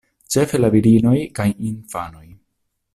Ĉefe la virinoj kaj infanoj.